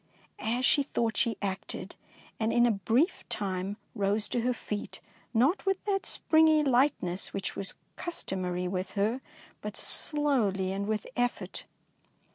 '' As she thought, she acted, and in a 250 DICEY LANGSTON brief time rose to her feet, not with that springy lightness which was cus tomary with her, but slowly and with effort.